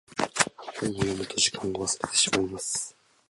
本を読むと時間を忘れてしまいます。